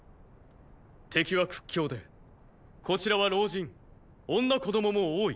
敵は屈強でこちらは老人女子供も多い。